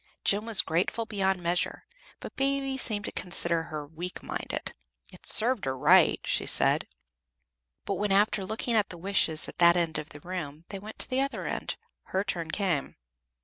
Jem was grateful beyond measure, but Baby seemed to consider her weak minded. "It served her right," she said. "But when, after looking at the wishes at that end of the room, they went to the other end, her turn came.